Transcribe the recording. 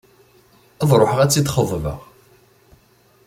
Ad ruḥeɣ ad tt-id-xeḍbeɣ.